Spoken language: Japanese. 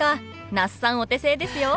那須さんお手製ですよ。